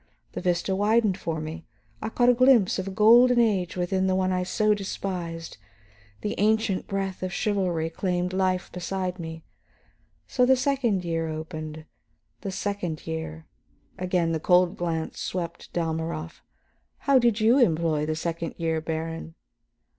The vista widened for me; I caught a glimpse of a golden age within the one I so despised, the ancient breath of chivalry claimed life beside me. So the second year opened. The second year " again the cold glance swept Dalmorov. "How did you employ the second year, Baron?"